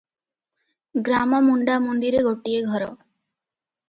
ଗ୍ରାମ ମୁଣ୍ଡାମୁଣ୍ଡିରେ ଗୋଟିଏ ଘର ।